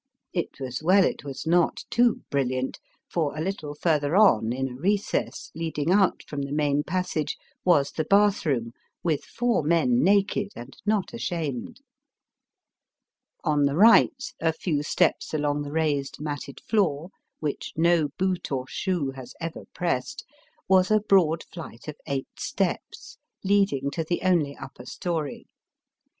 It was well it was not too brilliant, for a little further on, in a recess, leading out of the main passage, was the bath room with four men naked and not ashamed. On the right, a few steps along the raised matted floor, which no boot or shoe has ever pressed, was a broad flight of eight steps, leading to the only upper story.